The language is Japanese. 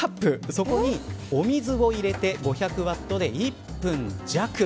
そこにお水を入れて５００ワットで１分弱。